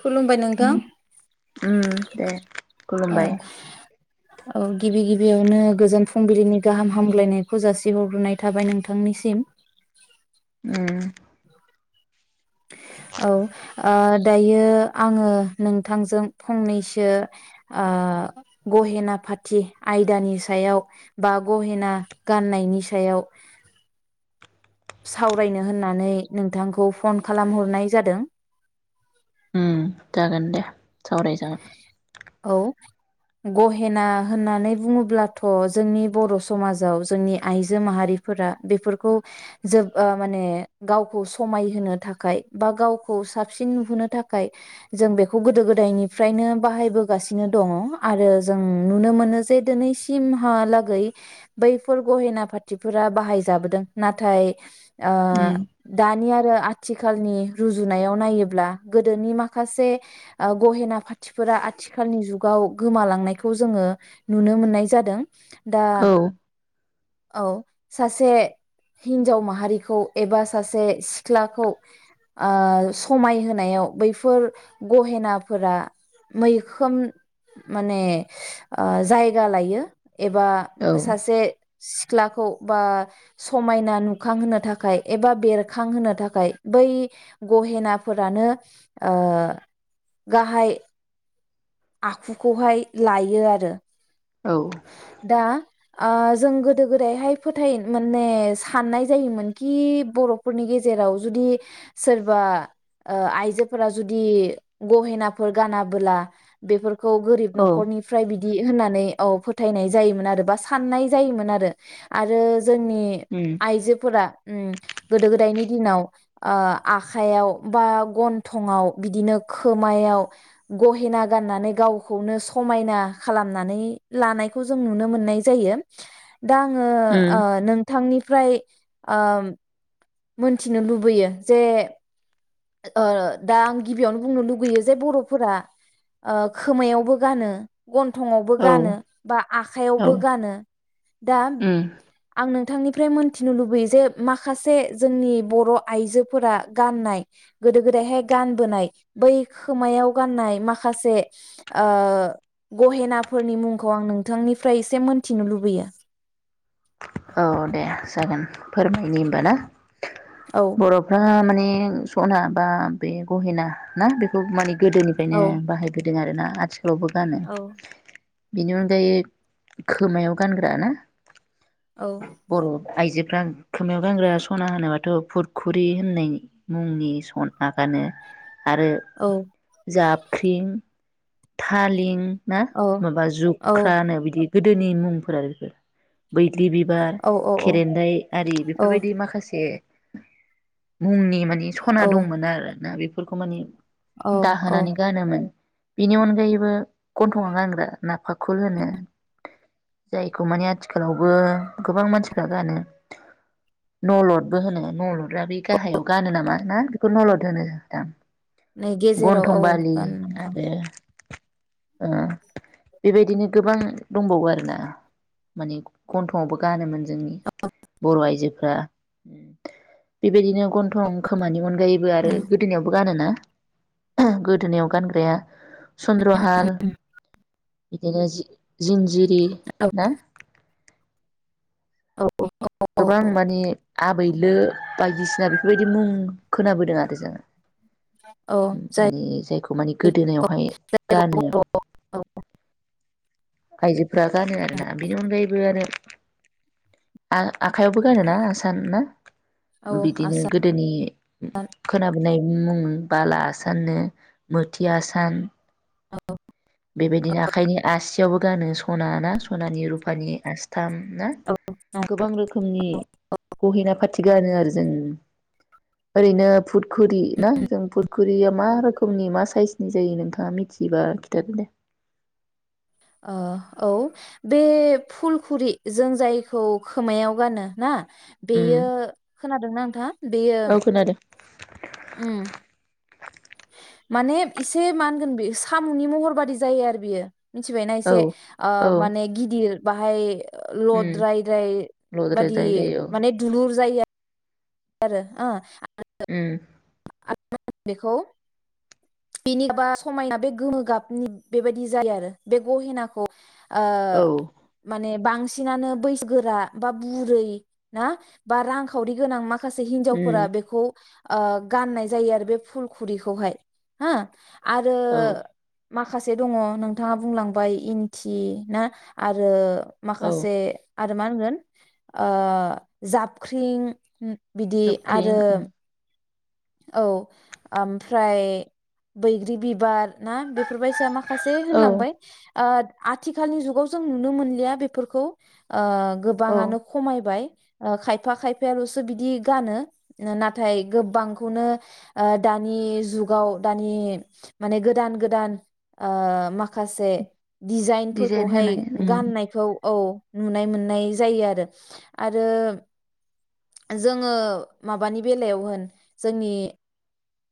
खुलुमबाय नोंथां उम दे ओ खुलुमबाय औ गिबि गिबियावनो गोजोन फुंबिलिनि गाहाम हामग्लायनायखौ जासिहरग्रोनाय थाबाय नोंथांनिसिम। उम औ ओ दायो आङो नोंथांजों फंनैसो ओ गहेना फाथि आयदानि सायाव बा गहेना गाननायनि सायाव सावरायनो होननानै नोंथांखौ फन खालामहरनाय जादों। उम जागोन दे। सावरायजागोन औ गहेना होननानै बुङोब्लाथ' जोंनि बर' समाजाव जोंनि आइजो माहारिफोरा बेफोरखौ जोब ओ माने गावखौ समायहोनो थाखाय बा गावखौ साबसिन नुहोनो थाखाय जों बेखौ गोदो गोदायनि फ्रायनो बाहायबोगासिनो दङ आरो जों नुनो मोनो जे दिनैसिमहालागै बैफोर गहेना फाथिफोरा बाहायजाबोदों नाथाय ओ उम दानि आरो आथिखालनि रुजुनायाव नायोब्ला गोदोनि माखासे ओ गहेना फाथिफोरा आथिखालनि जुगाव गोमालांनायखौ जोङो नुनो मोननाय जादों। दा औ औ सासे हिन्जाव माहारिखौ एबा सासे सिख्लाखौ ओ समायहायाव बैफोर गहेनाफोरा मैखोम माने ओ जायगा लायो। एबा औ सासे सिख्लाखौ बा समायना नुखांहोनो थाखाय एबा बेरखांहोनो थाखाय बै गहेनाफोरानो ओ गाहाय आखुखौहाय लायो आरो औ दा ओ जों गोदो गोदायहाय फोथाय माने साननाय जायोमोन कि बर'फोरनि गेजेराव जुदि सोरबा ओ आइजोफोरा जुदि गहेनाफोर गानाबोला बेफोर खौ गोरिब औ नखरनिफ्राय बिद बिदि होननानै औ फोथायनाय जायोमोन आरो बा साननाय जायोमोन आरो आरो जोंनि उम आइजोफोरा उम गोदो गोदायनि दिनाव ओ आखाइयाव बा गन्थंआव बिदिनो खोमायाव गहेना गाननानै गावखौनो समायना खालामनानै लानायखौ जों नुनो मोननाय जायो। दा आङो ओ उम नोंथांनिफ्राय ओम मोनथिनो लुबैयो जे ओ दा आं गिबियावनो बुंनो लुगैयो जे बर'फोरा ओ खोमायावबो गानो गन्थंआवबो औ गानो बा औ आखाइयावबो गानो दा उम आं नों बिथांनिफ्राय मोन्थिनो लुबैयो जे माखासे जोंनि बर' आइजोफोरा गाननाय गोदो गोदायहाय गानबोनाय बै खोमायाव गाननाय माखासे ओ गहेनाफोरनि मुंखौ आं नोंथांनिफ्राय एसे मोनथिनो लुबैयो। औ दे जागोन फोरमायनि होनबा ना। औ बर'फ्रा माने सना बा बे गहेना ना बेखौ मानि गोदोनिफ्रायनो औ बाहायबोदों आरो ना। आदस आवबो गानो औ बेनि अनगायै खोमायाव गानग्रा ना? औ बर' आइजोफ्रा खोमायाव गानग्रा स'ना होनोबाथ' फुरखुरि होननाय मुंनि सना गानो। आरो औ जाब ख्रिम थालिं ना औ माबा औ जुख्रानो बिदि गोदोनि मुंफोरा बेफोर बै दि बिबार खेरेन्दाय आरि औ बेफोरबायदि माखासे मुंनि माने बि सना औ दंमोन आरो ना बे फोरफोरखौ माने औ औ दाहोनानै गानोमोन, बिनि अनगायैबो गन्थङाव गानग्रा नाफा खुल होनो जायखौ माने आथिखालावबो गोबां मानसिफ्रा गानो नलदबो होनो नलदा बे गाहायाव गानो नामा? ना बेखौ नलद होनोदां, नै गेजेराव औ गान [unintelligible] आरो ओ बेबायदिनो गोबां दंबावो आरोना माने गन्थंआवबो गानोमोन जोंनि बर' आइजोफ्रा बेबायदिनो, गन्थं खोमानि अनगायैबो आरो औ गोदोनायावबो गानोना? गोदोनायाव गानग्राया सन्द्र हाल बिदिनो जि जिं जिरि ना? औ औ गोबां माने आबै लो बायदिसिना बेफोरबायदि मुं खोनाबोदों आरो जोङो औ जाय माने जायखौ माने गोदोनायावहाय गानो औ आइजोफोरा गानो आरोना बेनि अनगायैबो आरो आ आखाइयावबो गानोना आसान ना, औ बिदिनो गोदोनि खोनाब होनाय मुं बाला आसाननो मोथि आसान औ बेबायदिनो आखाइनि आसियावबो गानो सना ना सनानि रुपानि आस्थाम, ना आसाम औ गोबां रोखोमनि गहेना फाथि गानो आरो जों ओरैनो फुट खुरि ना जों पुरखुरिया मा रोखोमनि मा साइसनि जायो नोंथाङा मिथिबा [unintelligible] ओ औ बे फुलखुरि जों जायखौ खोमायाव गानो ना? उम बेयो खोनादोंना नोंथाङ बेयो। औ खोनादों ओ। माने एसे मा होनगोन बे साम'नि महर बादि जायो आरो बियो। मिथिबायना औ एसे औ माने ओ गिदिर बाहाय। उम लद्रायद्राय बादि लद्रायद्राय जायो औ माने दुलुर जायो आरो ओ। उम [unintelligible] बेखौ बेनि बा समायना बे गोमो गाबनि बेबायदि जायो आरो बे गहेनाखौ ओ औ माने बांसिनानो बैसो गोरा बा बुरै ना बा रांखावरि गोनां माखसे। माखासे उम हिनजावफोरा बेखौ। ओ गाननाय जायो आरो बे फुलखुरिखौहाय हो आरो औ माखासे दङ नोंथांङा बुंलांबाय इन्थि ना आरो औ माखासे आरो मा होनगोन ओ जाबख्रिं, बिदि खोख्रिं आरो उम औ ओमफ्राय बैग्रि बिबार ना बेफोरबायसा माखासे औ होनलांबाय। ओ आथिखालनि जुगाव जों नुनो मोनलिया बेफोरखौ। ओ औ गोबाङानो खमायबाय। ओ खायफा खायफायाल'सो बिदि गानो नाथाय गोबां खौनो ओ दानि जुगाव दानि माने गोदान-गोदान ओ माखासे डिजाइन दिजाइनफोरखौहाय होनाय उम गाननायखौ औ नुनाय मोननाय जायो आरो, आरो जोङो माबानि बेलायाव जोंनि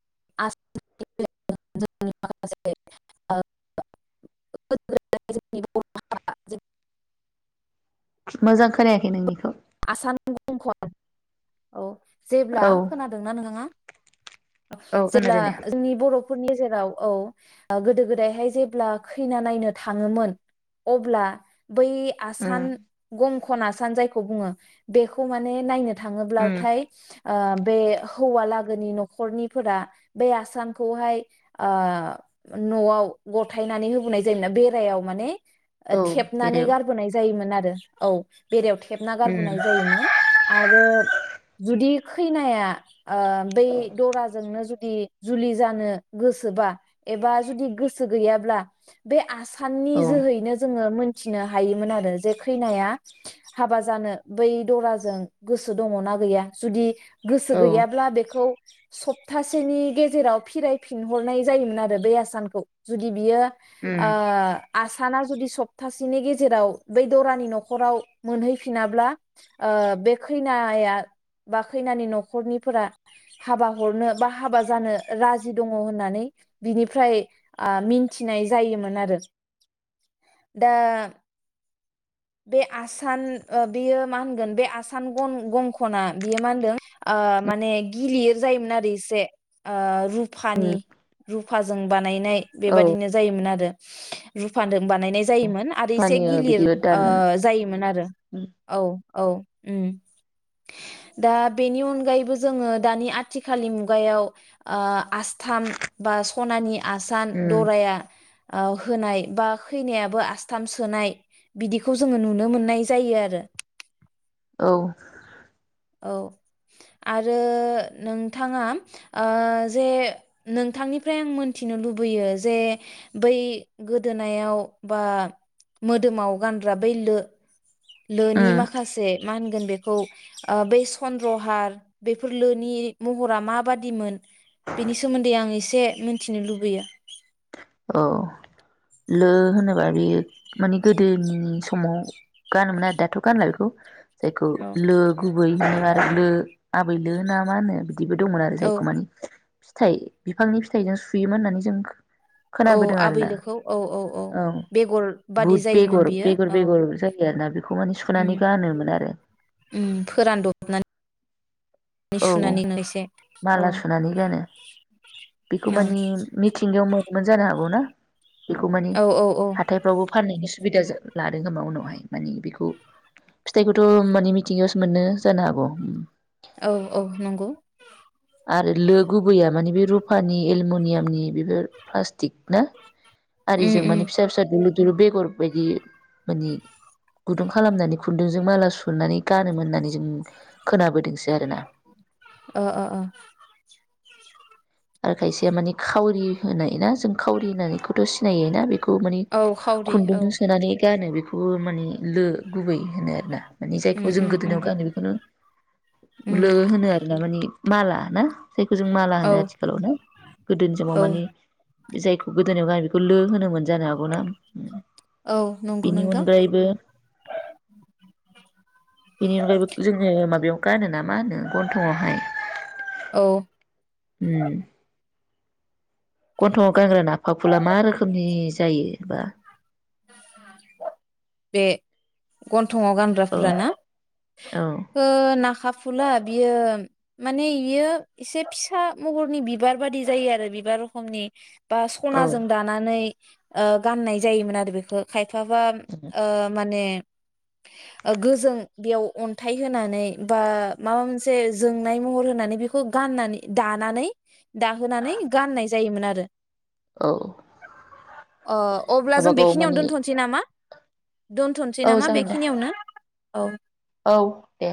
[unintelligible] मोजां खोनायाखै नोंनिखौ आसान [unintelligible] औ जेब्ला औ खोनादोंना नोंथांआ औ जेब्ला खोनादों दे जोंनि बर'फोरनि। जेराव औ गोदो गोदायहाय जेब्ला खैना नायनो थांङोमोन अब्ला बै उम आसान गं खना सानजाय बुङो बेखौ माने नायनो उम थाङोब्लाथाय ओ बे हौवालागोनि नखरनिफोरा बे आसानखौहाय आ नआव गथायनानै होबोनाय जायोमोना बेरायाव माने औ थेबनानै बेरेव गारबोनाय जायोमोन आरो औ बेेरायाव थु थेबना गारबोनाय उम जायोमोन आरो जुदि। खैनाया बै दराजोंनो जुदि जुलि जानो गोसोबा एबा जुदि गोसो गैयाब्ला बे आसानखौ साननि औ जोहैनो जोङो मोन मिथिनो हायोमोन आरो जे खैनाया हाबा जानो बै दराजों गोसो दङ ना गैया जुदि गोसो औ गैयाब्ला बेखौ सप्तासेनि गेजेराव फिरायफिनहरनाय जायोमोन आरो बे आसानखौ जुदि बियो उम आ। आसाना जुदि सप्तासेनि गेजेराव बै दरानि न'खराव मोनहैफिनाब्ला बे खैनाया बा खैनानि न'खरनिफोरा हाबा हरनो बा हाबा जानो राजि दङ होननानै बिनिफ्राय मिन्थिनाय जायोमोन आरो दा बे आसाना आसान बियो मा होनगोन बे आसान गंखना बियो मा होनदों माने गिलिर जायोमोन आरो एसे रुप उम फानि रुफा जों नायनाय औ बेबादिनो जायोमोन आरो रुफा जों बानायनाय जायोमोन आरो एसे फानियो गिलिर बिदि दान ओ उम जायोमोन आ औ औ। ओम दा बेनि अनगायैबो जोंङो दानि आथिखालनि मुगायाव आसथाम बा सनानि आसान उम दराया होनाय बा खैनायाबो आसथाम सोनाय बिदिखौ जोंङो नुनो मोननाय जायो आरो। औ औ आरो नोंथाङा जे नोंथांनिफ्राय आं मोनथिनो लुबैयो जे बै गोदोनायाव बा मोदोमाव गानग्रा बै लो लोनि उम माखासे मा होनगोन बेखौ बे चन्द्रहार बेफोर लोनि महरा माबादिमोन बिनि सोमोन्दै आं एस इसे मिथिनो लुबैयो। औ लो होनोबा बे माने गोदोनि समाव गानोमोन आरो दाथ' गानला बेखौ। जायखौ लो गुबै हो आरो आबै लो ना मा होनो? बिदिबो दंमोन आरो औ जायख मानि। फिथाइ बिफांनि फिथाइजों सुयोमोन होननानै जों औ खोनाबोदों आबै आरोना लोखौ औ औ बेगर बादि बुद जायोमोन बेगर बियो बेगर औ बेगर जायो आरोना बेखौ माने उम सुनानै गानोमोन आरो उम फोरानदबनानै औ सुनानै एसे औ माला सुनानै गानो बेखौ औ मानिे मिथिंगायाव जानो हागौ ना? बेखौ माने औ औ हाथायफ्रावबो फानैनोसो सुबिदा लादों खोमा उनावहाय माने बेखौ फिथाइखौथ' माने मिथिंगायावसो मोनो जानो हागौ। औ औ नंगौ आरो लो गुबैया माने बे रुफानि एलुमिनियामनि बेफोर प्लास्टिक ना। उम आरिजों उम माने फिसा फिसा दुलुर दुलुर बेगर बायदि माने गुदुं खालामनानै खुन्दुंजों माला सुनानै गानोमोन होननानै जों खोनाबोदोंसो आरो ना। अ अ अ आ खायसेया माने खावरि होनाय ना जों खावरि होननायखौथ' सिनायो ना बे खौ माने औ खावरि औ खुन्दुंजों सोनानै गानो बे बेखौ माने लो गुबै होनो आरोना। माने उम जायखौ जों उम उम गोदोनायाव उम गानो बेखौनो उम लो होनो आरोना माने माला ना। जायखौ जों माला होनो औ आथि गोदोनि जाव औ माने जायखौ गोदोनायाव गानो बेखौ लो होनोमोन। जानो हागौ ना उम औ नंगौ बेनि नोंथां अनगायैबो बेनि अनागायैबो जोंनिआव माबायाव गानो ना मा होनो गन्थंआवहाय। औ। उम गन्थंआव गानग्रा ना फाफुला मा रोखोमनि जायो बा? बे गन्थ गन्थंआव औ गानग्राफोराना औ ओ नाखा फुला बियो माने इयो एसे फिसा महरनि बिबार बादि जायो आरो बिबार रखमनि बा औ स'नाजों दानानै ओ गान्नाय जायोमोन आरो बेखौ खायफाबा ओ माने गोजों बेयाव अन्थाइ होनानै बा माबा मोनसे जोंनाय महर होनानै बेखौ गान्नानै दानानै दाहोनानै गान्नाय जायोमोन आरो। औ [inaudible] अ अब्ला जों गावबागाव बेखिनियावनो मानि दोन्थ'नोसै नामा? दोनथ'नोसै औ नामा जागोन दे बेखिनियावनो औ औ दे